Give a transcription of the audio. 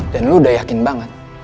dan lu udah yakin banget